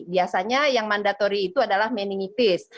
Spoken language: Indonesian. biasanya yang mandatori itu adalah meningitis